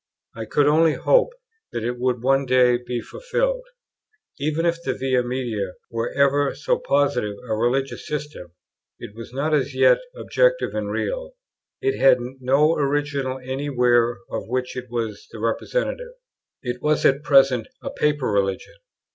I could only hope that it would one day be fulfilled. Even if the Via Media were ever so positive a religious system, it was not as yet objective and real; it had no original any where of which it was the representative. It was at present a paper religion.